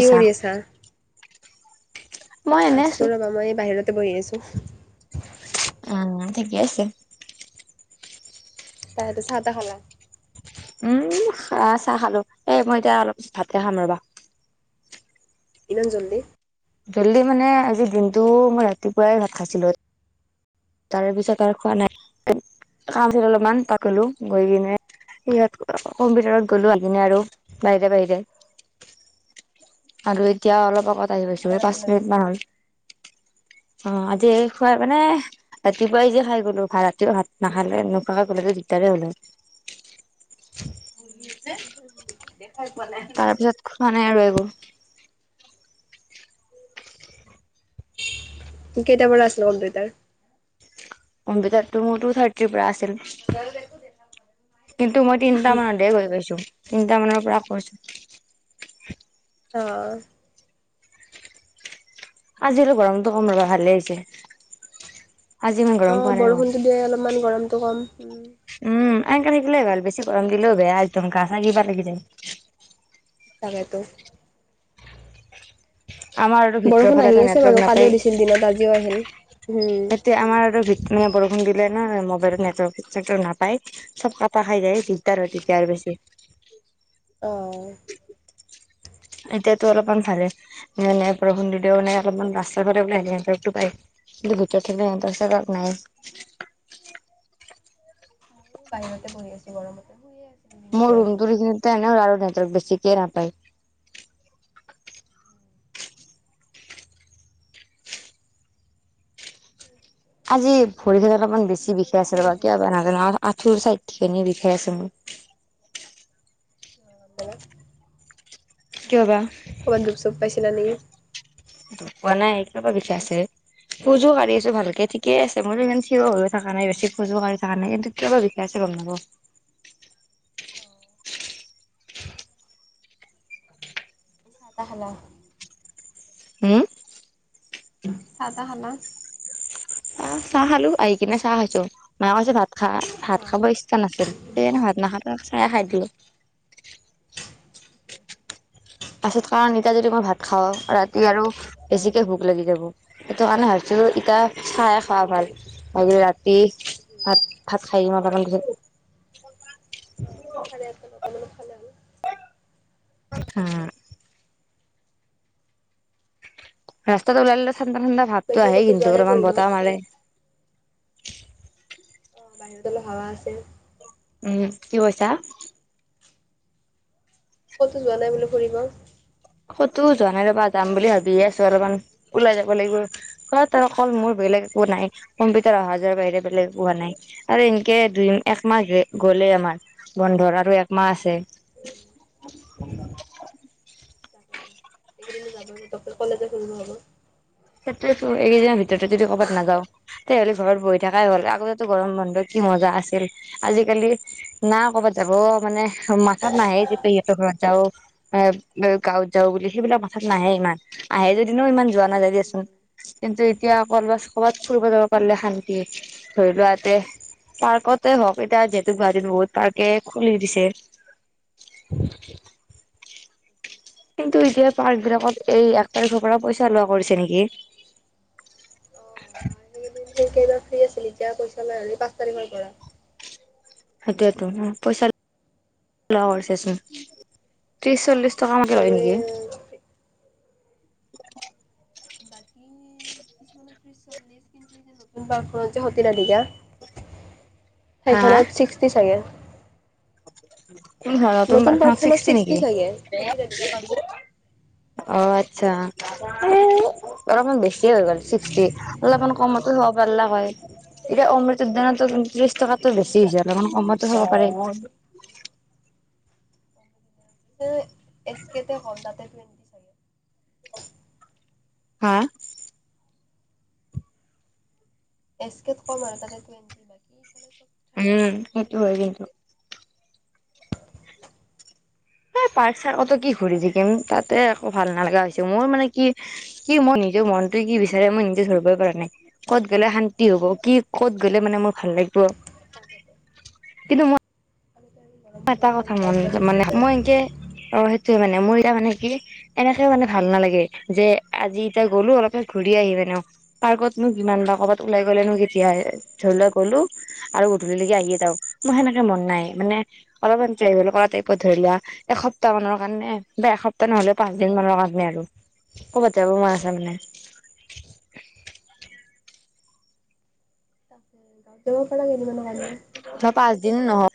কি কৰি আছা মই এনে আছো ৰ'বা মই এই বাহিৰতে বহি আছো অ ঠিকে আছে তাৰ পাছতে চাহ তাহ খালা উম চাহ খালো এ মই এতিয়া অলপ ভাতে খাম ৰবা ইমান জল্দি জল্দি মানে আজি দিনটো মই ৰাতিপুৱাই ভাত খাইছিলোঁ তাৰে পিছত আৰু খোৱা নাই কাম আছিল অলপমান পাতলো গৈ কিনে সিহঁত কম্পিউটাৰত গ'লো আহিকেনে আৰু বাহিৰে বাহিৰে আৰু এতিয়া অলপ আগত আহি পাইছো কম্পিউটাৰ এই আছিল পাঁচ আজি। মিনিট মান হল অ আজি এই খোৱাই মানে ৰাতিপুৱাই যে খাই গলো ভাত ৰাতিও ভাত নাখালে নোখাৱাকে গলে দিগদাৰে হলে হয় পুহি আছে দেখাই পোৱা নাই তাৰ পিছত খোৱা নাই আৰু এইবোৰ কেইটা বাজাত আছিলে কম্পিতাৰ অম্বিতাৰ টু মোৰ টু থাৰ্টিৰ পৰা আছিল কিন্তু মই তিনটা মানতহে গৈ পাইছো তিনটা মানৰ পৰা কৈছো অ আজিলৈ গৰমতো কম ৰবা ভালেই হৈছে আজি ইমান অ গৰম পোৱা নাই মই বৰষুণতো দিয়াই অলপমান গৰমটো কম উম, উম এনকে থাকিলেই ভাল বেছি গৰম দিলেও বেয়া একদম গা চা কিবা লাগি যায় তাকেইটো আমাৰ আৰু ভিতৰৰ বৰষুণ ফালে আহি আছে নেটৱৰ্ক বাৰু কালিও নাপায় দিছিল দিনত আজিও আহিল। হোম তিয়া আমাৰ আৰুভিত মানে বৰষুণ দিলে ভিতৰত না মোবাইলত নেটৱৰ্ক ছেটৱৰ্ক নাপায়। চব কাটা খাই যায়, দিগদাৰ হয় তেতিয়া আৰু বেছি। অ'। এতিয়াতো অলপমান ভালে নাই নাই বৰষুণ দি দিলে মানে অলপমান ৰাস্তাৰ ফালে ওলাই আহিলে নেটৱৰ্কটো পাই। তথাপিও নেটৱৰ্ক ছেটৱৰ্ক নাই। ময়ো বাহিৰতে বহি আছোঁ গৰমতে হেয়াই। মোৰ ৰূমটোৰ হেইখিনিতে এনেই আৰু নেটৱৰ্ক বেছিকেই নাপায়। আজি ভৰিখেন অলপমান বেছি ঠাণ্ডা পৰি বিষাই আছে ৰ'বা, কিন্তু এতিয়া। কিয়বা নাজানো আঁঠুৰ চাইডখিনি বিষাই আছে মোৰ। হেল্ল'। কিয় বা। ক'ৰবাত দুখ চোখ পাইছিলা নেকি? পোৱা নাই। কিয়বা বিষাই আছে ৰে। খোজোঁ কাঢ়ি আছোঁ ভালকে, ঠিকেই আছে মইতো ইমান থিয় হৈও থকা নাই, বেছি খোজো কাঢ়ি থকা নাই এইটো কিয়বা বিষাই আছে গম নাপাও। চাহ তাহ খালা? হু? চাহ তাহ খালা? চাহ, চাহ খালোঁ আহি কিনে চাহ খাইছো। মায়ে কৈছে ভাত খা, ভাত নাই খাব ইচ ইচ্ছা নাছিল সেইকাৰণে ভাত নাখালো, চাহে খাই দিলোঁ। পাছত কাৰণ এতিয়া যদি মই ভাত খাওঁ ৰাতি আৰু বেছিকে ভোক লাগি যাব। সেইটো কাৰণে ভাবিছোঁ এতিয়া চাহে খোৱা ভাল। আজি ৰাতি ভাত ভাত খাই নটামান বজাত। অ চাৰে আঠটা নটামানত খালে হ'ল হু। ৰাস্তাত ওলালে ঠাণ্ডা ঠাণ্ডা ভাৱতটো বাকী আহে ক'তো যোৱা কিন্তু নাই অলপমান ফুৰিব বতাহ মাৰে। অ বাহিৰত অলপ হাৱা আছে। উম, কি কৈছা? ক'তো যোৱা নাই বোলো ফুৰিব? ক'তো যোৱা নাই ৰ'বা যাম বুলি ভাবিয়ে আছোঁ অলপমান ওলাই যাব লাগিব। অকল মোৰ বেলেগ একো নাই, কম্পিউটাৰ অহা যোৱাৰ বাহিৰে বেলেগ একো হোৱা নাই। আৰু এনেকে দুই একমাহ গ'লে আমাৰ বন্ধৰ আৰু একমাহ আছে। তাকেতো, এইকেইদিনটো যাবই তাৰপিছত কলেজে খুলিব হ'ব। সেইটোৱেইটো এইকেইদিনৰ ভিতৰতে যদি ক'ৰবাত নাযাও তেহ'লে ঘৰত বহি থাকাই হ'ল। আগতেটো গৰম বন্ধ কি মজা আছিল আজিকালি না কৰ'ৰবাত যাব মানে মাথাত নাহে যে পেহী ইহঁতৰ ঘৰত যাওঁ। এ, গাঁৱত যাও বুলি সেইবিলাক মাথাত নাহে ইমান, আহে যদিনও ইমান যোৱা নাযায় দিয়াচোন। কিন্তু এতিয়া ক'ৰবাত ক'ৰবাত ফুৰিব যাব পাৰিলে শান্তি। ধৰিলোৱা ইয়াতে পাৰ্কতে হওঁক, এতিয়া যিহেতু গুৱাহাটীত বহুত পাৰ্কে খুলি দিছে। কিন্তু এতিয়া পাৰ্কবিলাকত এই এক তাৰিখৰপৰা পইচা লোৱা কৰিছে নেকি? সেই কেইবাৰ ফ্ৰী আছিল এতিয়া পইচা লয় আৰু পাঁচ তাৰিখৰপৰা। সেইটোয়োতো উ, পইচা লোৱা কৰিছেচোন, ত্ৰিশ অ চল্লিশ মই টকামানকে বাৰু লয় এই নেকি? বাকী কিছুমানৰ ত্ৰিছ চল্লিশ কিন্তু এই যে নতুন পাৰ্কখন যে সত নধিকা হা হা সেইখনত ছিক্সটি চাগে। [unintelligible] নতুন পাৰ্কখনত ছিক্স পিচ লাগে। খেই তালিকা পাৰ্কখন। যে অ' আচ্ছা অলপমান বেছি হৈ গ'ল ছিক্সটি, অলপমান কমতো যা পাল্লা হয়। এতিয়া অ অমৃত উদ্যানতো ত্ৰিশ টকাটো মই বেছি হৈছে। যা অকন কমত হ'ব পাৰাৰে ন। যা। এছ কেতে হম তাতে ত। হা? এছ কে কম আৰু তাতে টুৱেণ্টি বাকীফালে চব। উম থাৰ্টি ফৰ্টি সেইটো হয় সিমানে কিন্তু। এই পাৰ্ক চাৰ্কতো কি ঘূৰি থাকিম তাতে একো ভাল নালগা হৈ হৈছে মোৰ মানে কি। কি মই নিজৰ মনটোৱে কি বিচাৰে মই নিজে ধৰিবই পৰা নাই। কত গ'লে শান্তি হ'ব কি ক'ত গ'লে মানে মোৰ ভাল লাগিব কিন্তু মই। । আৰু গৰম ম বন্ধ এটা বুলি কথা ক'লে মন গাঁৱত যাব ইচ্ছা মানে যায়। মই এনেকে অ সেইটোয়ে মানে মোৰ এতিয়া মানে কি। এনেকে মানে ভাল নালাগে যে আজি এতিয়া গ'লো অলপমান ঘূৰি আহি মানে। পাৰ্কত মোক যিমান বা কৰ'বাত ওলাই গ'লে ন কেতিয়া ধৰি লোৱা গ'লো। আৰু গধূলিলৈকে আহিয়ে তও মোৰ সেনেকে মন নাই মানে অলপমান ট্ৰেভেল কৰা টাইপত। ধৰি লোৱা এসপ্তাহ মানৰ কাৰণে বা এসপ্তাহ নহলেও পাঁচ দিন মানৰ কাৰণে। আৰু অ' পাতিাব মই আছে মানে। ত পা গ ন মান গামে। ধ পাঁচদিন নহও।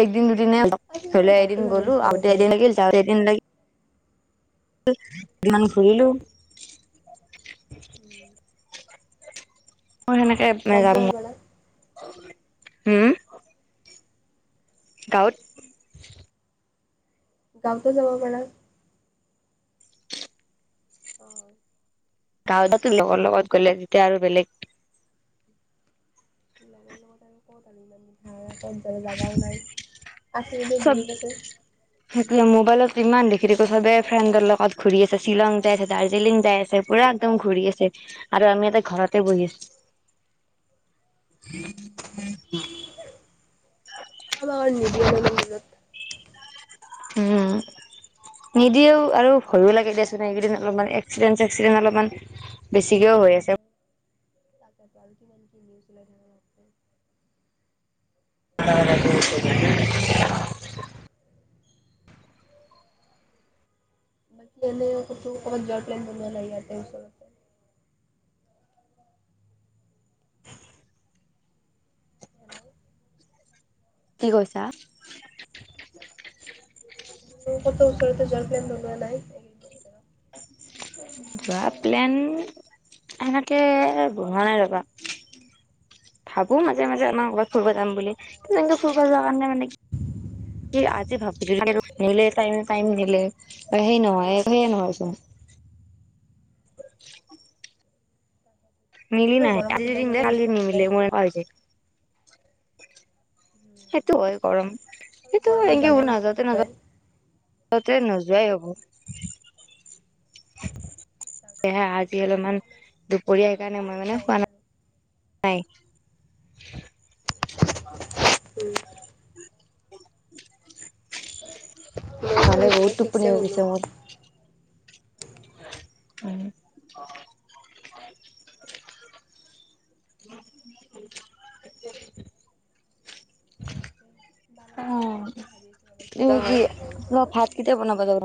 একদিন দুদিনে আজিকালি আৰু হলেও গাঁৱতো এদিন যাব গ'লো ইচ্ছা আৰুতে নাযায়। এদিন গ। দিন লাগিলমান ঘুৰিলো। মোৰ সেনেকে। যাব মন গজগলা। হম গাঁৱত। গাঁওঁতো যাব পাৰা। অ। গাঁৱতো লগৰ লগত গ'লে যেতিয়া আৰু বেলেগ। িলাকৰ লগত আৰু ক'ত আৰু ইমান ধা ক'ত য জাগাও নাই আছে যদি জত আছে। সেইে মোবাইলত ইমান দেখি দেখো চবে ফ্ৰেণ্ডৰ লগত ঘূৰি আছে শ্বিলং যাই আছে। দাৰ্জিলিং যাই আছে। পুৰা একদম ঘূৰি আছে আৰু আমি এটা ঘৰতে বহি আছো। হয়। উম। অ নি। উম। নিদিয়ও আৰু ভয়ো লাগে দেিয়াচোনে এইকেইদিন অলপমান এক্সিডেণ্ট চে্সিডেণ্ট অলপমান। বেছিকেও হৈ আছে। তোল কিমান কি নিউজ ধৰ। [unintelligible] [unintelligible] বানি এনে কো কত জৰ প্লেন বনোৱা নাই আতেচত। হেল্ল' কি কৈছা। মোৰ ক'তো ওচৰতে যোৱাৰ প্লেইন বনোৱা নাই। এইকেইদিনৰ ভিতৰত যোৱা প্লেন এনেকে হোৱা নাই ৰবা। ভাবো মাজে মাজে আমাৰ কৰবাত ফুৰিব যাম বুলি। কিন্তু ততেনেকে ফুৰিব যোৱাৰ কাৰণে মানে কি আজি ভাবিছিলো নিলে াইম াইম নিলে অ হে নহয় সেয়ে নহয়চোন। [inaudible] মিলি আৰু নাই কালি গৰমত যদি ওলাই মিলে যাবও কালি ইচ্ছা নিমিলে নাযায় মোৰ এনেকুৱা হৈছে। সেইটো হয় গৰম আৰু এইটো গৰমত একে যাবও ইচ্ছা নাযাওঁতে নাযাওঁ নাযায় ততে নোযোৱাই হ'ব। তাকেতো সেহে, যাম আজি ৰ'বা অলপ এদিন ইমান কলেজ দুপৰীয়া খোলাৰ সেইকাৰণে মই আগত মানে যাই আহিম খোৱা আৰু নাই উম। ময়ো বহুত দিনত ঠিকছে টোপনি হৈ শুলো গৈছে মোৰ। উম। অ বালাজী যাম বুলি ভাবি আছো ৰ'বা ', এই বা কি হয় আপোনা ভাত কেতিয়া বনাব যাব।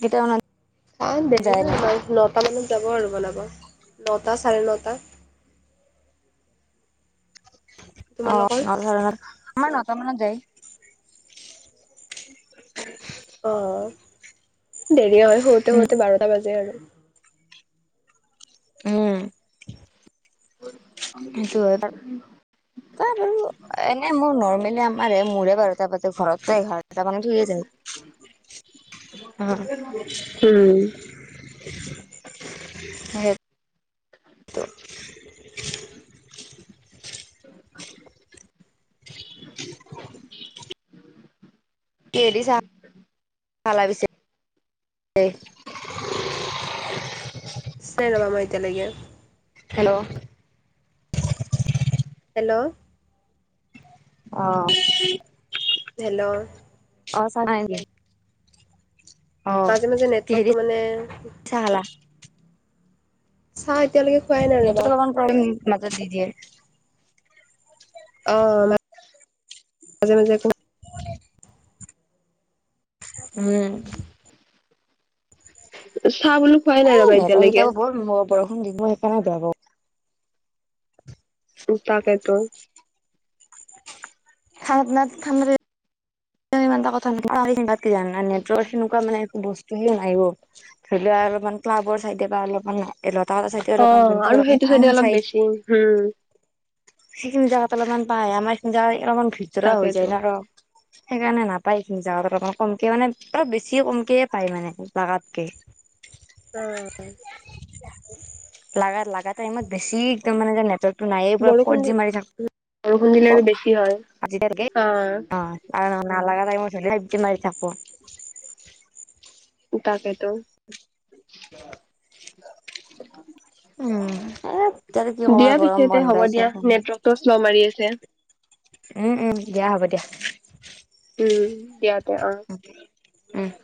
কেতিয়া অনা চাই দেৰি হয় আমাৰ নতা মানত যাব আৰু বনাব নটা চাৰে নটা। তোমালোকৰ অ', ন আমাৰ নটা মানত যায়। অ', দেৰি হয় শুতে শুতে বাৰটা বাজে আৰু উম, ত বাৰু এনেই মোৰ নৰ্মেলি আমাৰ মোৰে বাৰতা বাজে ঘৰতো এঘাৰট মান ঠিকেই উম। সেই কেদি চ চা পিছে চাই ৰব মই এতিয়ালৈকে। হেল্ল'। হেল্ল'। অ', হেল্ল' অ ', চানা আগে। মাজে, মাজে, কিহেদি নেটৱৰ্কটো মানে চাহ খালা। চাহ এতিয়ালৈকে খোৱাই নাই ৰবা। কই মাজত দি দিয়ে। অ', [unintelligible] মাজে মাজে ক [inaudible] উম। চাহ বুলোঁ খোৱাই নাই ৰবা এতিয়ালৈকে। বৰষুন দিব সেইকাৰনে বেয়া পাও। ও তাকেতো। [unintelligible] কথান সনেকুৱা মানে একো বস্তু হে নাই। ধৰি লোৱা অলপমান ক্লাবৰ চাইডে বা অলপমান লা চাইে অ অলপমান যোন আৰু অলপমান সেইটো চাইডে টাউন অলপ চাই বেছি উম সেইখিনি জাগগাাত অলপমান পায়। আমাৰ সেইিনি জেগা অলপমান ঘজৰা হৈ তাকেতো যায় ন আৰু সেইকাৰণে নাপায়। এইনি জোগাত অকণমান কমকে মানে অলপ বেছি কমকয়ে পায়। মানে জাগাতকে অ', লগাগাত লগাগাটা ইমান বেছি একদম মানে যে নেটকটো নাইেই পুৰা ফ বৰষুণ দি জি মি বৰষুণ দিলে আৰু বেছি হয় থজিাৰকে অ অ আ নালাগাাই ল [unintelligible] উ তাকেতো অ', কি কমাৰ গৰম বন্ধ আছে। প্ৰশ্ন মাৰি আছে। উম, উম দিয়া হ'ব দিয়া। উম, দিয়া দেয়া অ, ' অ', উ,